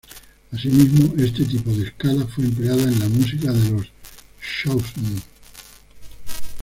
Asimismo, este tipo de escala fue empleada en la música de los Shawnee.